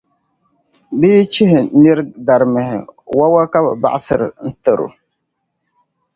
Bɛ yi chihi niri darimihi, wawa ka bɛ baɣisiri n-tari o.